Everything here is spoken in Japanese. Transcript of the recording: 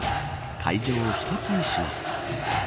会場を一つにします。